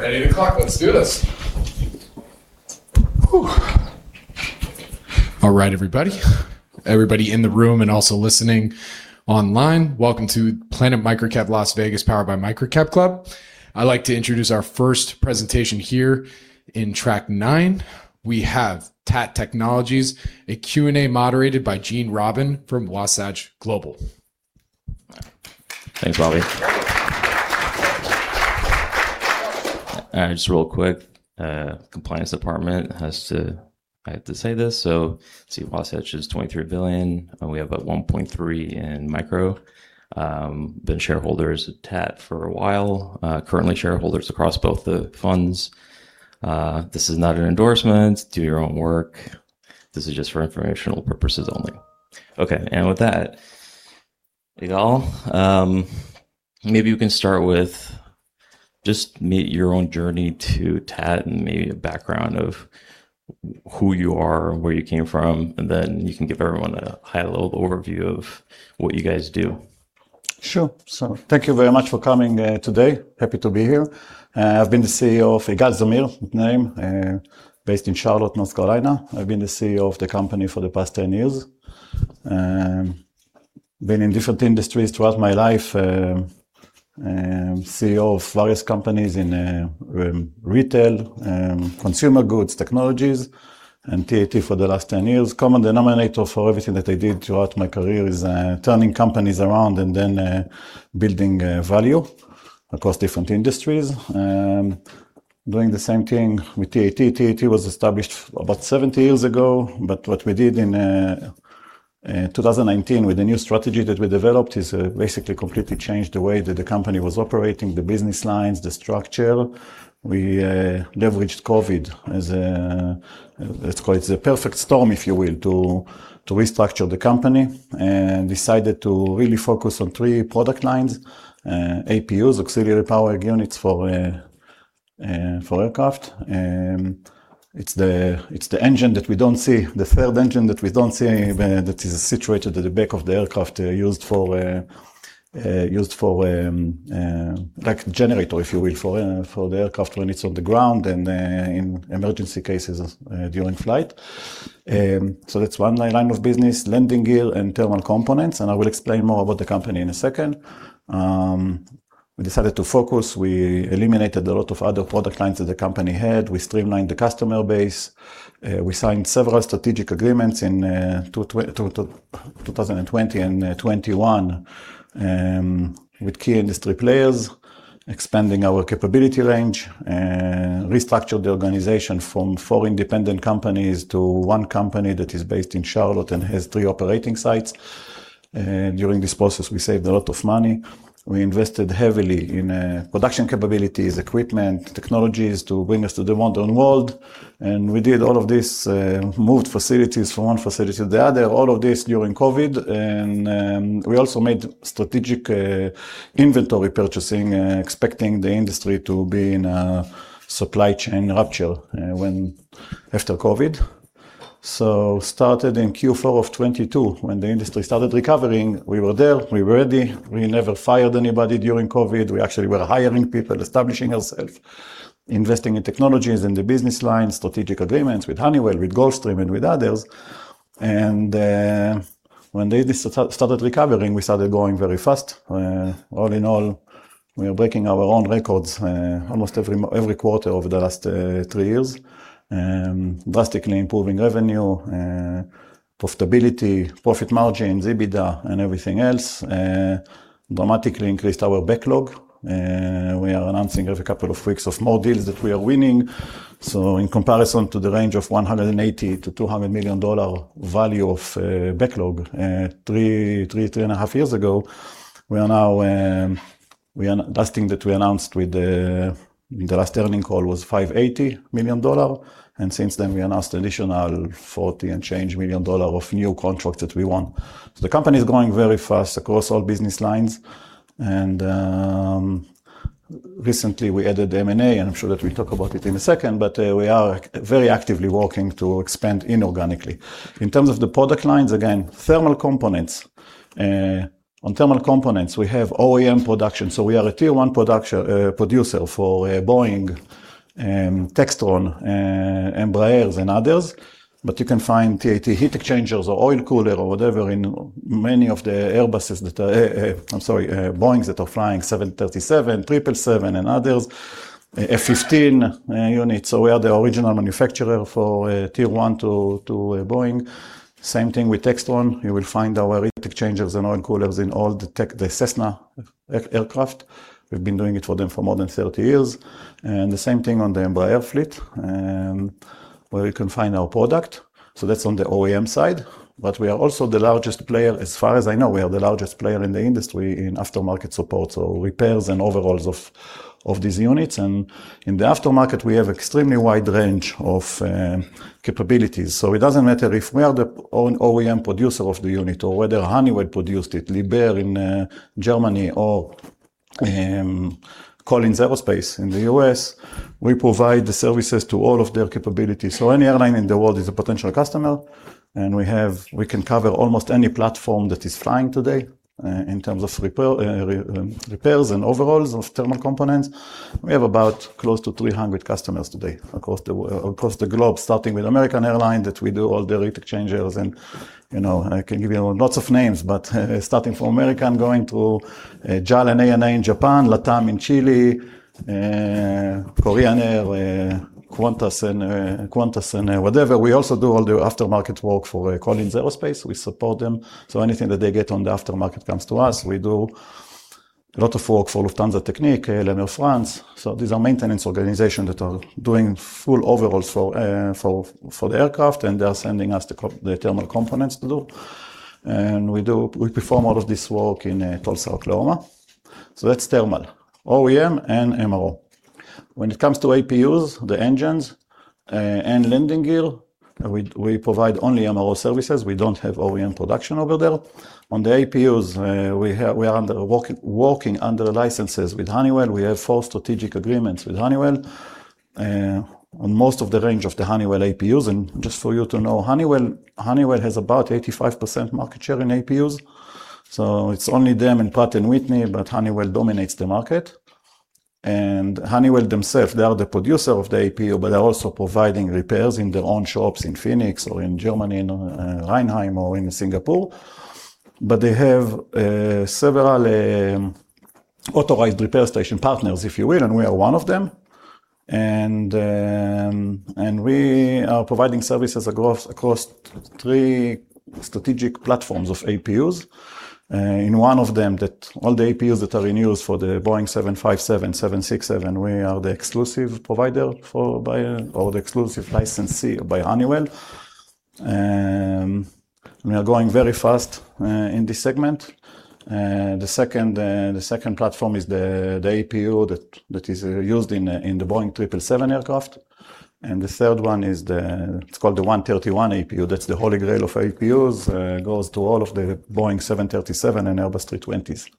All right. Ready to clock. Let's do this. All right, everybody. Everybody in the room and also listening online, welcome to Planet MicroCap Las Vegas, powered by MicroCapClub. I'd like to introduce our first presentation here in Track Nine. We have TAT Technologies, a Q&A moderated by Gene Robin from Wasatch Global. Thanks, Bobby. Just real quick, compliance department I have to say this, let's see, Wasatch is $23 billion, and we have about $1.3 in micro. Been shareholders of TAT for a while. Currently shareholders across both the funds. This is not an endorsement. Do your own work. This is just for informational purposes only. Okay. With that, Igal, maybe we can start with just maybe your own journey to TAT and maybe a background of who you are and where you came from, and then you can give everyone a high-level overview of what you guys do. Sure. Thank you very much for coming today. Happy to be here. I've been the CEO, Igal Zamir, based in Charlotte, North Carolina. I've been the CEO of the company for the past 10 years. Been in different industries throughout my life, CEO of various companies in retail, consumer goods, technologies, and TAT for the last 10 years. Common denominator for everything that I did throughout my career is turning companies around and then building value across different industries. Doing the same thing with TAT. TAT was established about 70 years ago, what we did in 2019 with the new strategy that we developed is basically completely changed the way that the company was operating, the business lines, the structure. We leveraged COVID as let's call it, as a perfect storm, if you will, to restructure the company, decided to really focus on three product lines, APUs, auxiliary power units for aircraft. It's the engine that we don't see, the failed engine that we don't see, that is situated at the back of the aircraft, used for like generator, if you will, for the aircraft when it's on the ground and in emergency cases during flight. That's one line of business, landing gear and thermal components, I will explain more about the company in a second. We decided to focus. We eliminated a lot of other product lines that the company had. We streamlined the customer base. We signed several strategic agreements in 2020 and 2021 with key industry players, expanding our capability range, restructured the organization from four independent companies to one company that is based in Charlotte and has three operating sites. During this process, we saved a lot of money. We invested heavily in production capabilities, equipment, technologies to bring us to the modern world, we did all of this, moved facilities from one facility to the other, all of this during COVID. We also made strategic inventory purchasing, expecting the industry to be in a supply chain rupture after COVID. Started in Q4 of 2022 when the industry started recovering. We were there. We were ready. We never fired anybody during COVID. We actually were hiring people, establishing ourselves, investing in technologies in the business line, strategic agreements with Honeywell, with Gulfstream, and with others. When the industry started recovering, we started growing very fast. All in all, we are breaking our own records almost every quarter over the last three years, drastically improving revenue, profitability, profit margins, EBITDA, and everything else. Dramatically increased our backlog. We are announcing every couple of weeks of more deals that we are winning. In comparison to the range of $180 million-$200 million value of backlog three and a half years ago, the last thing that we announced with the last earning call was $580 million, and since then, we announced additional $40 and change million dollar of new contracts that we won. The company is growing very fast across all business lines, recently we added M&A, and I'm sure that we'll talk about it in a second, but we are very actively working to expand inorganically. In terms of the product lines, again, thermal components. On thermal components, we have OEM production. We are a tier 1 producer for Boeing, Textron, Embraers, and others. You can find TAT heat exchangers or oil cooler or whatever in many of the Boeings that are flying Boeing 737, Boeing 777, and others. F-15 units. We are the original manufacturer for tier 1 to Boeing. Same thing with Textron. You will find our heat exchangers and oil coolers in all the Cessna aircraft. We've been doing it for them for more than 30 years. The same thing on the Embraer fleet, where you can find our product. That's on the OEM side. We are also the largest player, as far as I know, we are the largest player in the industry in aftermarket support, so repairs and overhauls of these units. In the aftermarket, we have extremely wide range of capabilities. It doesn't matter if we are the OEM producer of the unit or whether Honeywell produced it, Liebherr in Germany or Collins Aerospace in the U.S. We provide the services to all of their capabilities. Any airline in the world is a potential customer, and we can cover almost any platform that is flying today in terms of repairs and overhauls of thermal components. We have about close to 300 customers today across the globe, starting with American Airlines, that we do all the heat exchangers and I can give you lots of names, but starting from American, going to JAL and ANA in Japan, LATAM in Chile, Korean Air, Qantas, and whatever. We also do all the aftermarket work for Collins Aerospace. We support them. Anything that they get on the aftermarket comes to us. We do a lot of work for Lufthansa Technik, Air France. These are maintenance organizations that are doing full overhauls for the aircraft, and they're sending us the thermal components to do, and we perform all of this work in Tulsa, Oklahoma. That's thermal, OEM, and MRO. When it comes to APUs, the engines, and landing gear, we provide only MRO services. We don't have OEM production over there. On the APUs, we are working under licenses with Honeywell. We have 4 strategic agreements with Honeywell on most of the range of the Honeywell APUs. Just for you to know, Honeywell has about 85% market share in APUs, so it's only them and Pratt & Whitney, but Honeywell dominates the market. Honeywell themselves, they are the producer of the APU, but they're also providing repairs in their own shops in Phoenix or in Germany, in Raunheim or in Singapore. They have several authorized repair station partners, if you will, and we are one of them. We are providing services across three strategic platforms of APUs. In one of them, all the APUs that are in use for the Boeing 757, 767, we are the exclusive provider for, or the exclusive licensee by Honeywell. We are growing very fast in this segment. The second platform is the APU that is used in the Boeing 777 aircraft. The third one is called the 131 APU. That's the holy grail of APUs. It goes to all of the Boeing 737 and Airbus 320s.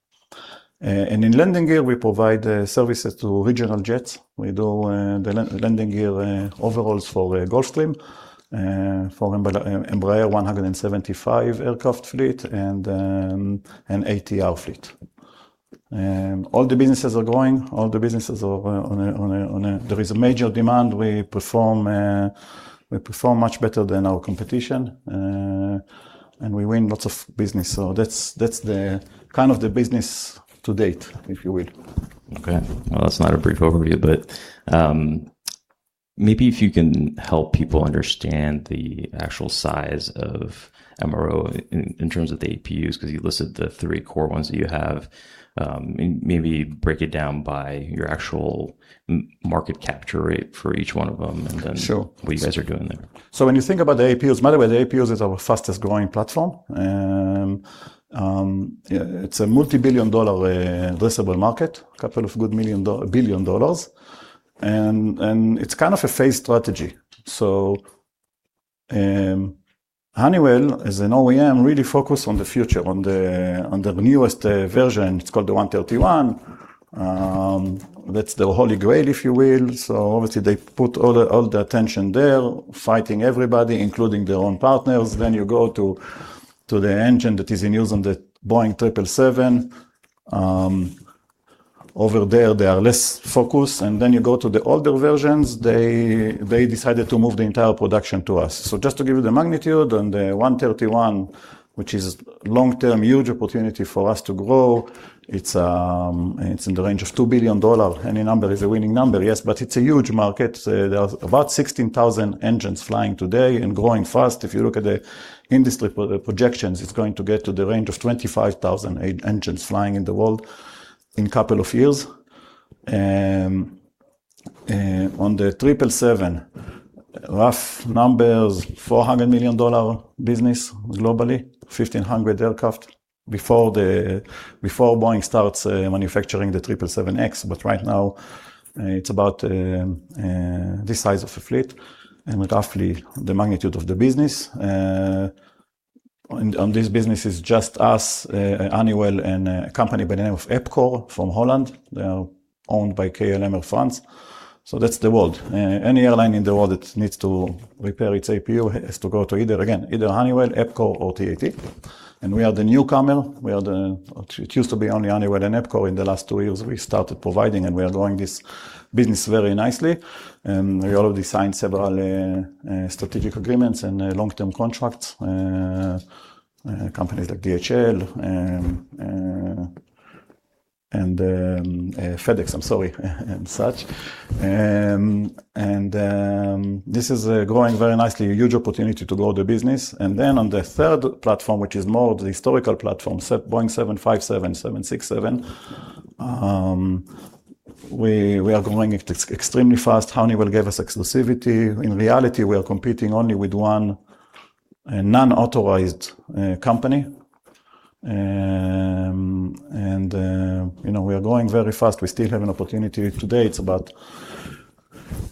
In landing gear, we provide services to regional jets. We do the landing gear overhauls for Gulfstream, for Embraer 175 aircraft fleet, and ATR fleet. All the businesses are growing. There is a major demand. We perform much better than our competition, and we win lots of business. That's the business to date, if you will. Okay. Well, that's not a brief overview, but maybe if you can help people understand the actual size of MRO in terms of the APUs, because you listed the three core ones that you have. Maybe break it down by your actual market capture rate for each one of them, and then. Sure What you guys are doing there. When you think about the APUs, by the way, the APUs is our fastest-growing platform. It's a multi-billion dollar addressable market. A couple of good billion dollars. It's kind of a phase strategy. Honeywell, as an OEM, really focus on the future. On the newest version, it's called the 131. That's the holy grail, if you will. Obviously they put all the attention there, fighting everybody, including their own partners. You go to the engine that is in use on the Boeing 777. Over there, they are less focused. You go to the older versions, they decided to move the entire production to us. Just to give you the magnitude on the 131, which is long-term huge opportunity for us to grow, it's in the range of $2 billion. Any number is a winning number, yes, but it's a huge market. There are about 16,000 engines flying today and growing fast. If you look at the industry projections, it's going to get to the range of 25,000 engines flying in the world in a couple of years. On the 777, rough numbers, $400 million business globally, 1,500 aircraft before Boeing starts manufacturing the 777X. Right now, it's about this size of a fleet and roughly the magnitude of the business. On this business is just us, Honeywell, and a company by the name of Epcot from Holland. They are owned by KLM in France. That's the world. Any airline in the world that needs to repair its APU has to go to either, again, either Honeywell, Epcot, or TAT. We are the newcomer. It used to be only Honeywell and Epcot. In the last two years, we started providing, and we are growing this business very nicely, and we already signed several strategic agreements and long-term contracts. Companies like DHL and FedEx, I'm sorry, and such. This is growing very nicely. A huge opportunity to grow the business. On the third platform, which is more of the historical platform, Boeing 757, 767, we are growing extremely fast. Honeywell gave us exclusivity. In reality, we are competing only with one non-authorized company, and we are growing very fast. We still have an opportunity. Today, it's about,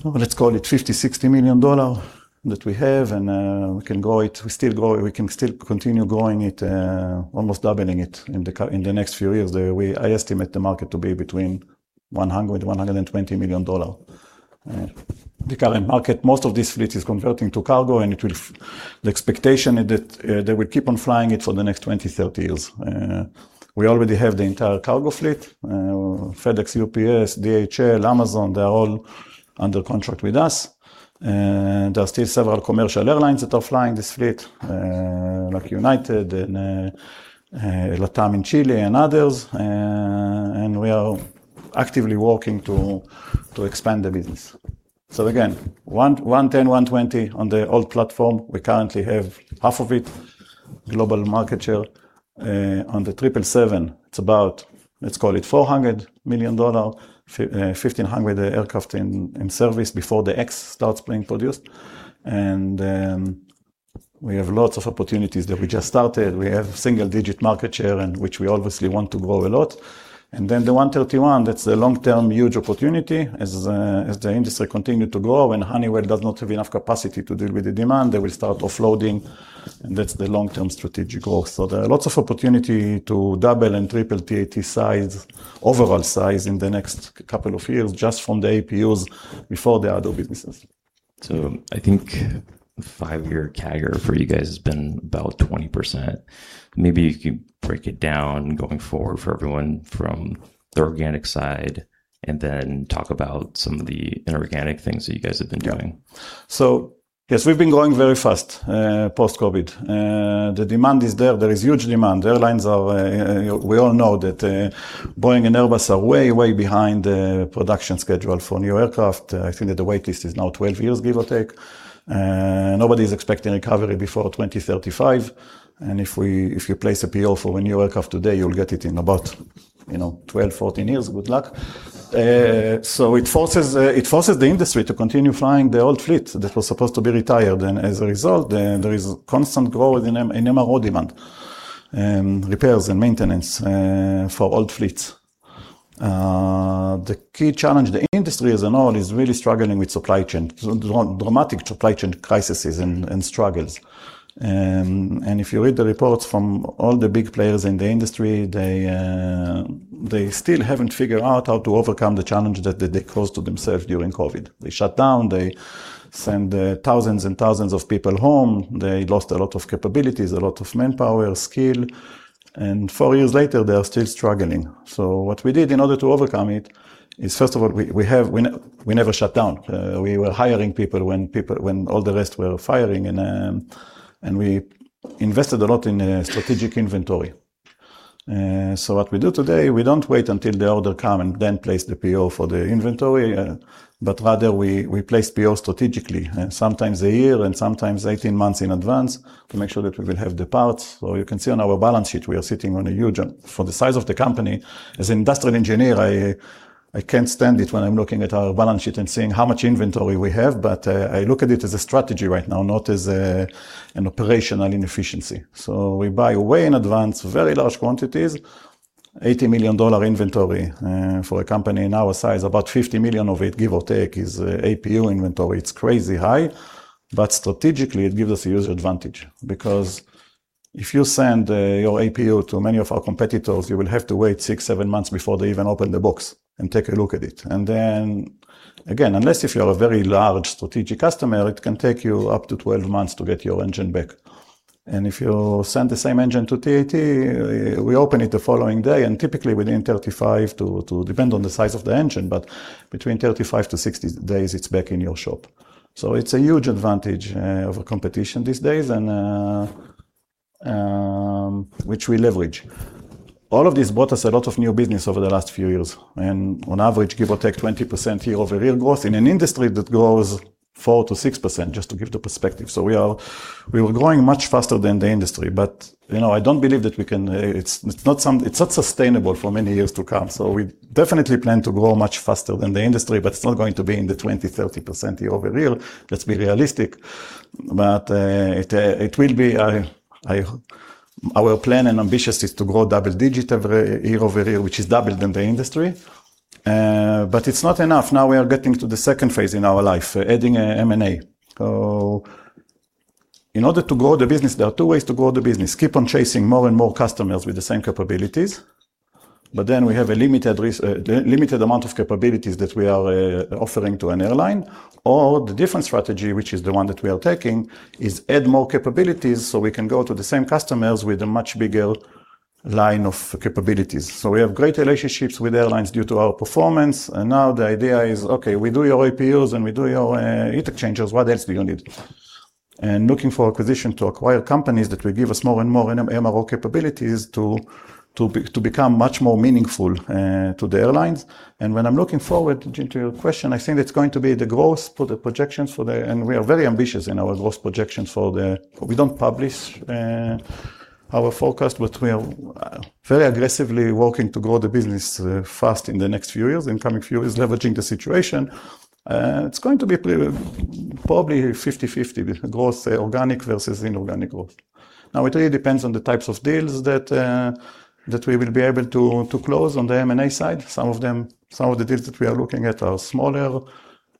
let's call it $50 million-$60 million that we have, and we can grow it. We can still continue growing it, almost doubling it in the next few years. I estimate the market to be between $100 million-$120 million. The current market, most of this fleet is converting to cargo, and the expectation is that they will keep on flying it for the next 20, 30 years. We already have the entire cargo fleet. FedEx, UPS, DHL, Amazon, they are all under contract with us. There are still several commercial airlines that are flying this fleet, like United, and LATAM in Chile and others. We are actively working to expand the business. Again, 110, 120 on the old platform. We currently have half of it global market share. On the 777, it's about, let's call it $400 million, 1,500 aircraft in service before the X starts being produced. We have lots of opportunities that we just started. We have single-digit market share, and which we obviously want to grow a lot. The 131, that's the long-term huge opportunity. As the industry continue to grow and Honeywell does not have enough capacity to deal with the demand, they will start offloading, and that's the long-term strategic goal. There are lots of opportunity to double and triple TAT size, overall size in the next couple of years, just from the APUs before the other businesses. I think five-year CAGR for you guys has been about 20%. Maybe you could break it down going forward for everyone from the organic side, and then talk about some of the inorganic things that you guys have been doing. Yeah. Yes, we've been growing very fast post-COVID. The demand is there. There is huge demand. We all know that Boeing and Airbus are way behind the production schedule for new aircraft. I think that the waitlist is now 12 years, give or take. Nobody's expecting recovery before 2035. If you place a PO for a new aircraft today, you'll get it in about 12, 14 years. Good luck. It forces the industry to continue flying the old fleet that was supposed to be retired. As a result, there is constant growth in MRO demand, repairs and maintenance for old fleets. The key challenge, the industry as a whole is really struggling with supply chain, dramatic supply chain crises and struggles. If you read the reports from all the big players in the industry, they still haven't figured out how to overcome the challenge that they caused to themselves during COVID. They shut down. They send thousands and thousands of people home. They lost a lot of capabilities, a lot of manpower, skill. four years later, they are still struggling. What we did in order to overcome it is, first of all, we never shut down. We were hiring people when all the rest were firing, and we invested a lot in strategic inventory. What we do today, we don't wait until the order come and then place the PO for the inventory, but rather we place PO strategically, sometimes a year and sometimes 18 months in advance to make sure that we will have the parts. You can see on our balance sheet, we are sitting on a huge, for the size of the company. As an industrial engineer, I can't stand it when I'm looking at our balance sheet and seeing how much inventory we have. I look at it as a strategy right now, not as an operational inefficiency. We buy way in advance, very large quantities, $80 million inventory. For a company in our size, about $50 million of it, give or take, is APU inventory. It's crazy high, but strategically it gives us huge advantage because if you send your APU to many of our competitors, you will have to wait six, seven months before they even open the box and take a look at it. Then again, unless if you're a very large strategic customer, it can take you up to 12 months to get your engine back. If you send the same engine to TAT, we open it the following day and typically within 35 to 60 days, it's back in your shop. It's a huge advantage over competition these days, and which we leverage. All of this brought us a lot of new business over the last few years, and on average, give or take 20% year-over-year growth in an industry that grows 4%-6%, just to give the perspective. We were growing much faster than the industry. I don't believe that it's not sustainable for many years to come. We definitely plan to grow much faster than the industry, but it's not going to be in the 20%, 30% year-over-year. Let's be realistic. Our plan and ambitious is to grow double-digit every year-over-year, which is double than the industry. It's not enough. Now we are getting to the second phase in our life, adding M&A. In order to grow the business, there are two ways to grow the business. Keep on chasing more and more customers with the same capabilities, then we have a limited amount of capabilities that we are offering to an airline. The different strategy, which is the one that we are taking, is add more capabilities so we can go to the same customers with a much bigger line of capabilities. We have great relationships with airlines due to our performance. Now the idea is, okay, we do your APUs and we do your heat exchangers. What else do you need? Looking for acquisition to acquire companies that will give us more and more MRO capabilities to become much more meaningful to the airlines. When I'm looking forward to your question, I think it's going to be the growth to the projections for the. We are very ambitious in our growth projections for the. We don't publish our forecast, but we are very aggressively working to grow the business fast in the next few years and coming few years, leveraging the situation. It's going to be probably 50/50 growth, organic versus inorganic growth. It really depends on the types of deals that we will be able to close on the M&A side. Some of the deals that we are looking at are smaller,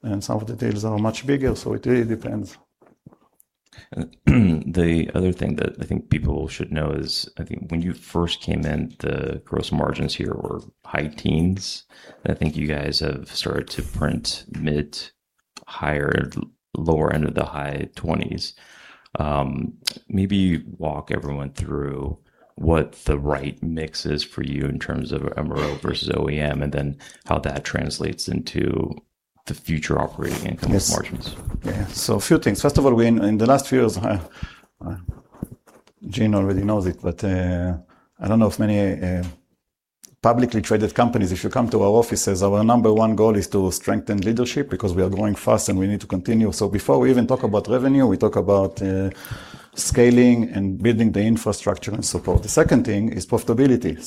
and some of the deals are much bigger, so it really depends. The other thing that I think people should know is, I think when you first came in, the gross margins here were high teens, and I think you guys have started to print mid higher, lower end of the high 20s. Maybe walk everyone through what the right mix is for you in terms of MRO versus OEM, and then how that translates into the future operating income margins. Yes. A few things. First of all, in the last few years, Gene already knows it, but I don't know if many publicly traded companies, if you come to our offices, our number one goal is to strengthen leadership because we are growing fast and we need to continue. Before we even talk about revenue, we talk about scaling and building the infrastructure and support. The second thing is profitability.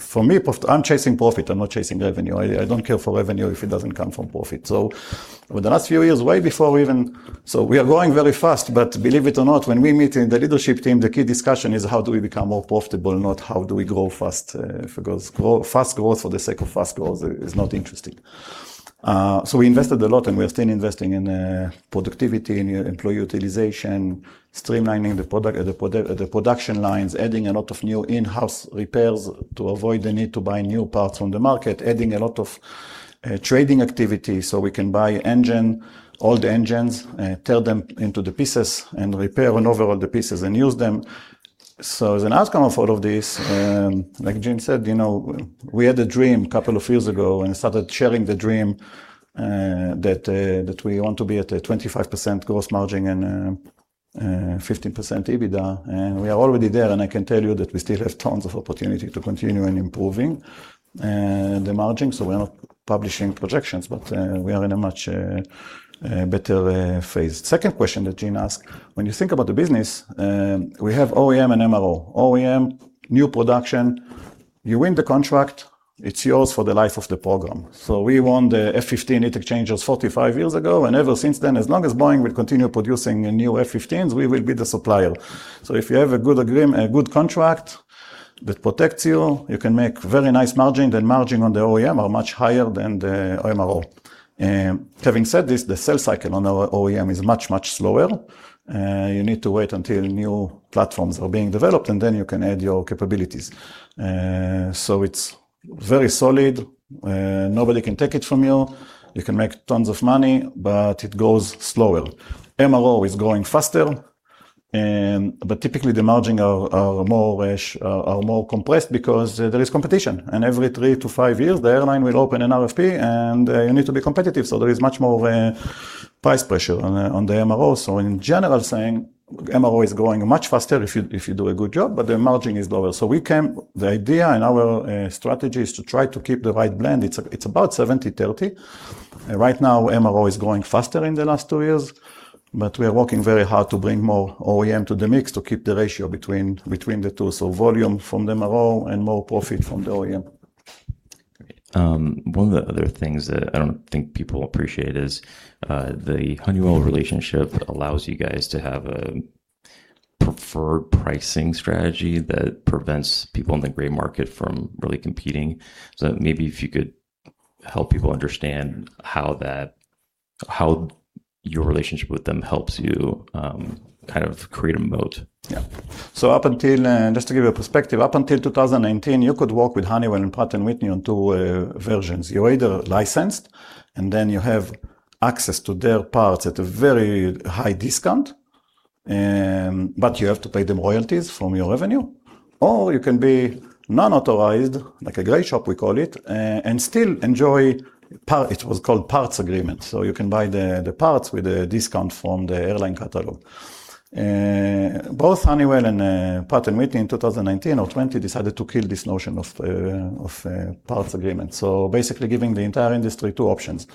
For me, I'm chasing profit, I'm not chasing revenue. I don't care for revenue if it doesn't come from profit. Over the last few years, way before we even. We are growing very fast, but believe it or not, when we meet in the leadership team, the key discussion is how do we become more profitable, not how do we grow fast. Fast growth for the sake of fast growth is not interesting. We invested a lot, and we are still investing in productivity and employee utilization, streamlining the production lines, adding a lot of new in-house repairs to avoid the need to buy new parts from the market, adding a lot of trading activity, so we can buy engine, old engines, tear them into the pieces, and repair and overhaul the pieces and use them. As an outcome of all of this, like Gene said, we had a dream a couple of years ago and started sharing the dream that we want to be at a 25% gross margin and 15% EBITDA, and we are already there. I can tell you that we still have tons of opportunity to continue in improving the margin. We are not publishing projections, but we are in a much better phase. Second question that Gene asked. When you think about the business, we have OEM and MRO. OEM, new production. You win the contract, it's yours for the life of the program. We won the F-15 heat exchangers 45 years ago, and ever since then, as long as Boeing will continue producing new F-15s, we will be the supplier. If you have a good contract that protects you can make very nice margin. The margin on the OEM are much higher than the MRO. Having said this, the sales cycle on our OEM is much, much slower. You need to wait until new platforms are being developed, and then you can add your capabilities. It's very solid. Nobody can take it from you. You can make tons of money, but it goes slower. MRO is growing faster, but typically the margin are more compressed because there is competition, and every three to five years, the airline will open an RFP, and you need to be competitive. There is much more of a price pressure on the MRO. In general, saying MRO is growing much faster if you do a good job, but the margin is lower. The idea and our strategy is to try to keep the right blend. It's about 70-30. Right now, MRO is growing faster in the last two years, but we are working very hard to bring more OEM to the mix to keep the ratio between the two. Volume from the MRO and more profit from the OEM. Great. One of the other things that I don't think people appreciate is the Honeywell relationship allows you guys to have a preferred pricing strategy that prevents people in the gray market from really competing. Maybe if you could help people understand how your relationship with them helps you create a moat. Yeah. Just to give you a perspective, up until 2019, you could work with Honeywell and Pratt & Whitney on two versions. You're either licensed, and then you have access to their parts at a very high discount, but you have to pay them royalties from your revenue, or you can be non-authorized, like a gray shop we call it, and still enjoy parts. It was called parts agreement. You can buy the parts with a discount from the airline catalog. Both Honeywell and Pratt & Whitney in 2019 or 2020 decided to kill this notion of parts agreement. Basically giving the entire industry two options.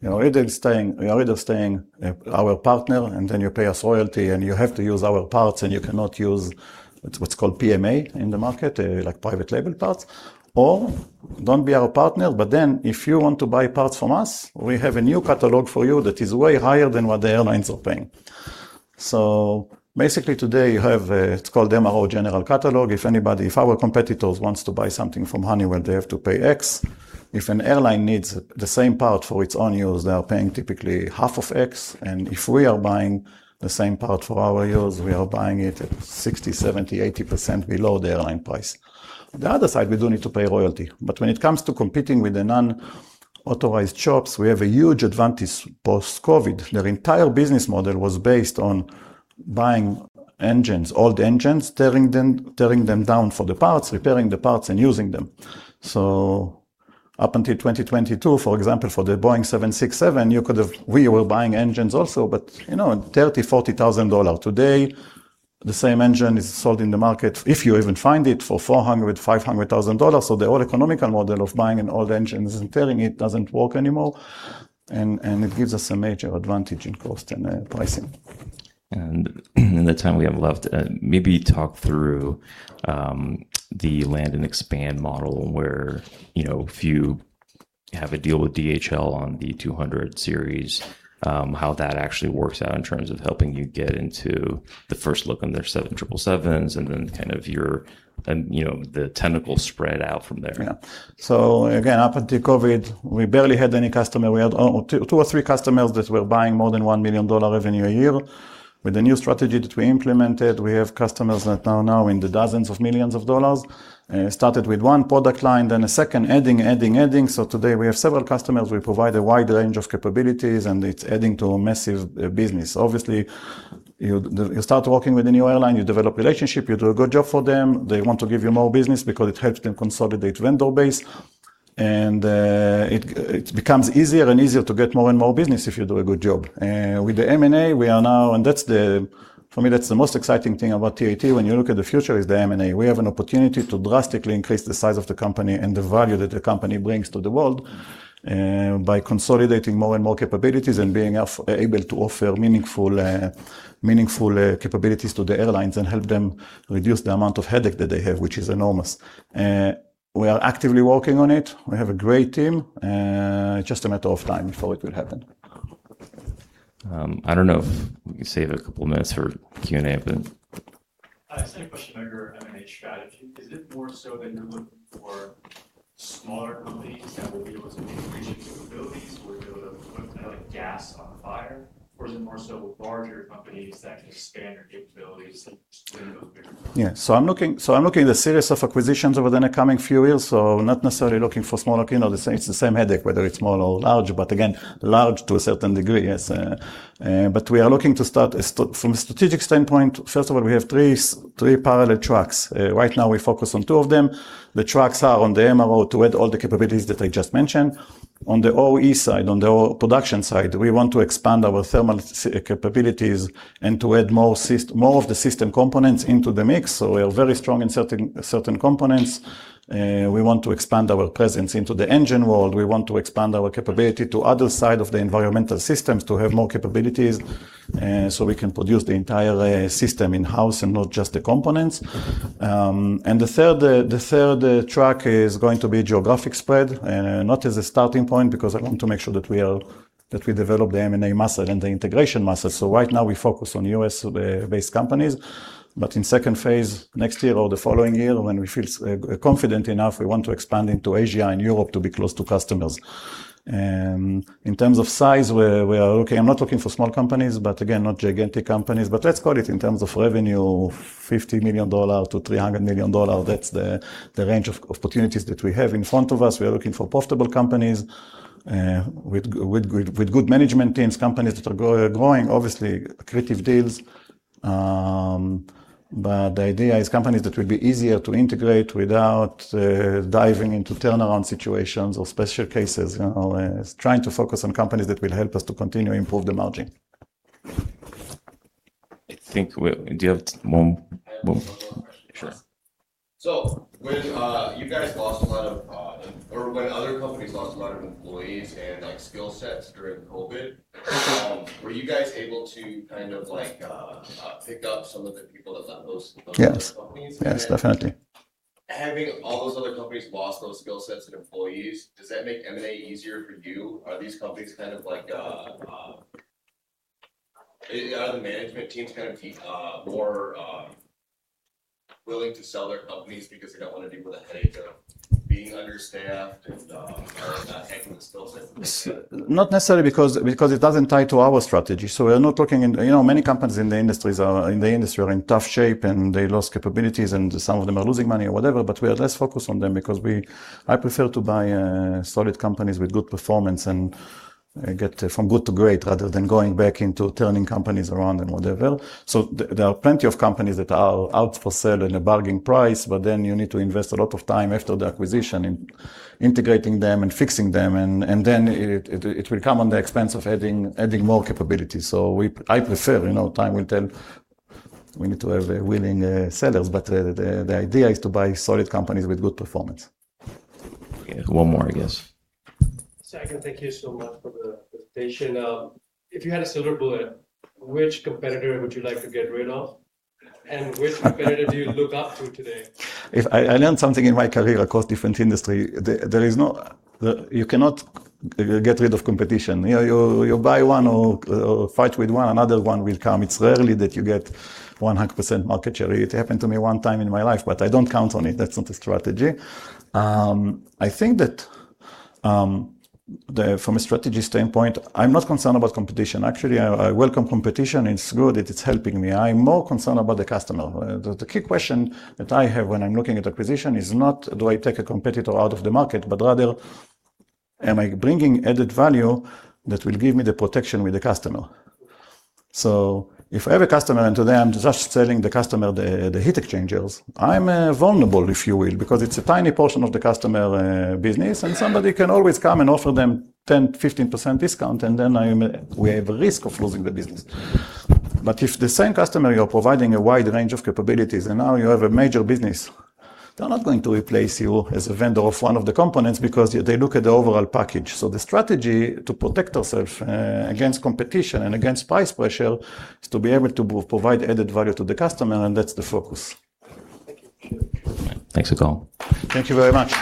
You're either staying our partner and then you pay us royalty, and you have to use our parts and you cannot use what's called PMA in the market, like private label parts, or don't be our partner. If you want to buy parts from us, we have a new catalog for you that is way higher than what the airlines are paying. Basically today you have, it's called MRO general catalog. If our competitors wants to buy something from Honeywell, they have to pay X. If an airline needs the same part for its own use, they are paying typically half of X. If we are buying the same part for our use, we are buying it at 60, 70, 80% below the airline price. The other side, we do need to pay royalty. When it comes to competing with the non-authorized shops, we have a huge advantage post-COVID. Their entire business model was based on buying engines, old engines, tearing them down for the parts, repairing the parts, and using them. Up until 2022, for example, for the Boeing 767, we were buying engines also, but at $30,000, $40,000. Today, the same engine is sold in the market, if you even find it, for $400,000, $500,000. The whole economical model of buying an old engine and tearing it doesn't work anymore, and it gives us a major advantage in cost and pricing. In the time we have left, maybe talk through the land and expand model where you have a deal with DHL on the 200 series, how that actually works out in terms of helping you get into the first look on their 777s, your and the tentacle spread out from there. Yeah. Again, after the COVID, we barely had any customer. We had two or three customers that were buying more than $1 million revenue a year. With the new strategy that we implemented, we have customers that are now in the dozens of millions of dollars. We started with one product line, then a second, adding. Today we have several customers. We provide a wide range of capabilities, and it's adding to a massive business. Obviously, you start working with a new airline, you develop relationship, you do a good job for them, they want to give you more business because it helps them consolidate vendor base. It becomes easier and easier to get more and more business if you do a good job. With the M&A, for me, that's the most exciting thing about TAT when you look at the future, is the M&A. We have an opportunity to drastically increase the size of the company and the value that the company brings to the world, by consolidating more and more capabilities and being able to offer meaningful capabilities to the airlines and help them reduce the amount of headache that they have, which is enormous. We are actively working on it. We have a great team, just a matter of time before it will happen. I don't know if we can save a couple minutes for Q&A. I just had a question about your M&A strategy. Is it more so that you're looking for smaller companies that will be able to increase your capabilities or be able to put gas on fire? Is it more so larger companies that can expand your capabilities and just bigger? Yeah. I'm looking at a series of acquisitions over the coming few years. Not necessarily looking for smaller. It's the same headache whether it's small or large, but again, large to a certain degree. Yes. We are looking to start from a strategic standpoint, first of all, we have three parallel tracks. Right now we focus on two of them. The tracks are on the MRO to add all the capabilities that I just mentioned. On the OE side, on the production side, we want to expand our thermal capabilities and to add more of the system components into the mix. We are very strong in certain components. We want to expand our presence into the engine world. We want to expand our capability to other side of the environmental systems to have more capabilities, so we can produce the entire system in-house and not just the components. The third track is going to be geographic spread, not as a starting point, because I want to make sure that we develop the M&A muscle and the integration muscle. Right now we focus on U.S.-based companies. In second phase, next year or the following year, when we feel confident enough, we want to expand into Asia and Europe to be close to customers. In terms of size, I'm not looking for small companies, but again, not gigantic companies, but let's call it in terms of revenue, $50 million-$300 million. That's the range of opportunities that we have in front of us. We are looking for profitable companies with good management teams, companies that are growing, obviously, accretive deals. The idea is companies that will be easier to integrate without diving into turnaround situations or special cases. Trying to focus on companies that will help us to continue improve the margin. I think we have more. [inaudible] Sure. When you guys lost a lot of, or when other companies lost a lot of employees and skill sets during COVID, were you guys able to pick up? [inaudible] Yes, definitely. Having all those other companies lost those skill sets and employees, does that make M&A easier for you? Are these companies, the management teams, more willing to sell their companies because they don't want to deal with the headache of being understaffed and not having the skill set? Not necessarily because it doesn't tie to our strategy. We are not looking into. Many companies in the industry are in tough shape. They lost capabilities, and some of them are losing money or whatever, but we are less focused on them because I prefer to buy solid companies with good performance and get from good to great, rather than going back into turning companies around and whatever. There are plenty of companies that are out for sale in a bargain price, but then you need to invest a lot of time after the acquisition in integrating them and fixing them, and then it will come on the expense of adding more capabilities. I prefer, time will tell. We need to have willing sellers, but the idea is to buy solid companies with good performance. One more, I guess. Zamir, thank you so much for the presentation. If you had a silver bullet, which competitor would you like to get rid of? Which competitor do you look up to today? If I learned something in my career across different industry, you cannot get rid of competition. You buy one or fight with one, another one will come. It's rarely that you get 100% market share. It happened to me one time in my life, but I don't count on it. That's not a strategy. I think that, from a strategy standpoint, I'm not concerned about competition. Actually, I welcome competition. It's good. It's helping me. I'm more concerned about the customer. The key question that I have when I'm looking at acquisition is not, do I take a competitor out of the market? Rather, am I bringing added value that will give me the protection with the customer? If I have a customer and today I'm just selling the customer the heat exchangers, I'm vulnerable, if you will, because it's a tiny portion of the customer business, and somebody can always come and offer them 10, 15% discount, and then we have a risk of losing the business. If the same customer, you're providing a wide range of capabilities, and now you have a major business, they're not going to replace you as a vendor of one of the components because they look at the overall package. The strategy to protect ourselves against competition and against price pressure is to be able to provide added value to the customer, and that's the focus. Thanks, Igal. Thank you very much.